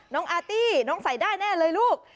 อาร์ตี้น้องใส่ได้แน่เลยลูก